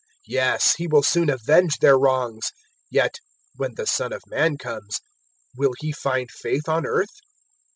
018:008 Yes, He will soon avenge their wrongs. Yet, when the Son of Man comes, will He find faith on earth?"